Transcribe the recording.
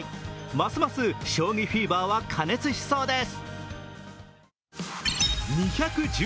ますます将棋フィーバーは過熱しそうです。